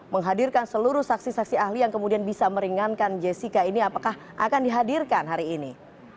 menghadirkan seluruh saksi saksi ahli yang kemudian bisa meringankan jessica ini apakah akan dihadirkan hari ini